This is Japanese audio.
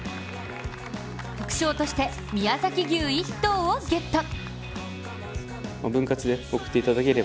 副賞として宮崎牛１頭をゲット。